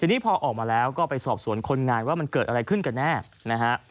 ทีนี้พอออกมาแล้วก็ไปสอบสวนคนงานว่ามันเกิดอะไรขึ้นกันแน่นะฮะ